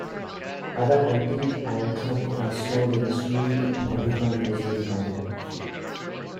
Other antique angklung are stored in the Sri Baduga Museum, Bandung.